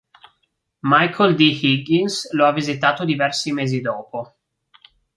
Michael D. Higgins lo ha visitato diversi mesi dopo.